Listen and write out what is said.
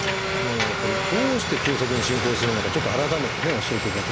これどうして急速に進行するのかちょっと改めてね教えていただけますでしょうか？